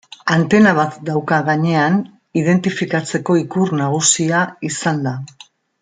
Antena bat dauka gainean, identifikatzeko ikur nagusia izanda.